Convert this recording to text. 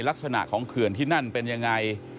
ลักษณะของเขื่อนที่นั่นเป็นยังไง